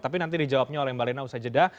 tapi nanti dijawabnya oleh mbak lena usai jeda